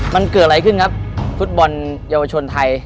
มันเกิดอะไรขึ้นครับฟุตบอลเยาวชนไทย